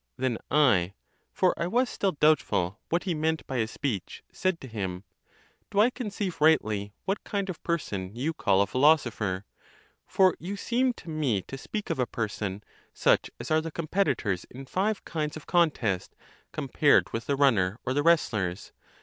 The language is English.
—Then I—for I was still doubtful what he meant by his speech—said to him, Do I conceive rightly what kind of person you call a philosopher? For you seem to me to speak of a person, such as are the compe titors in five kinds of contest, compared with the runner, or the wrestlers.